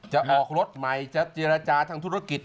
จะออกรถใหม่จะเจรจาทางธุรกิจ